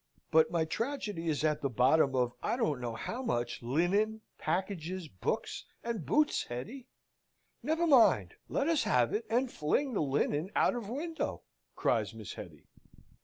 "But my tragedy is at the bottom of I don't know how much linen, packages, books, and boots, Hetty." "Never mind, let us have it, and fling the linen out of window!" cries Miss Hetty.